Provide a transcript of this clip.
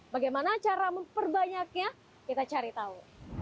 bagaimana cara memperbanyaknya kita cari tahu